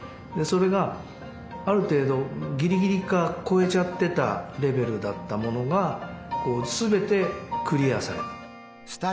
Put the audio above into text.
それがある程度ぎりぎりか超えちゃってたレベルだったものがすべてクリアされたと。